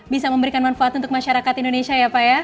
bisa memberikan manfaat untuk masyarakat indonesia ya pak ya